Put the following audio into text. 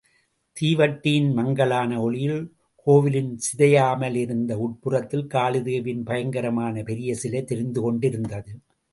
தீவட்டியின் மங்கலான ஒளியில், கோவிலின் சிதையாமலிருந்த உட்புறத்தில் காளிதேவியின் பயங்கரமான பெரிய சிலை தெரிந்து கொண்டிருந்தது.